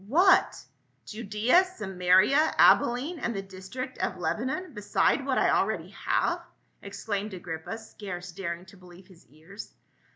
" What ! Judaea, Samaria, Abilene and the district of Lebanon, beside what I already have?" exclaimed Agrippa, scarce daring to believe his ears.